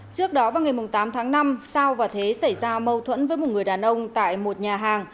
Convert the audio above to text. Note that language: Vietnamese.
trước đó vào ngày tám tháng năm sao và thế xảy ra mâu thuẫn với một người đàn ông tại một nhà hàng